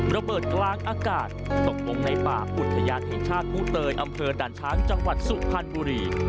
ระเบิดกลางอากาศตกลงในป่าอุทยานแห่งชาติผู้เตยอำเภอด่านช้างจังหวัดสุพรรณบุรี